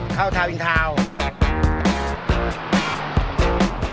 ข้าวทราวน์เบงทาวน์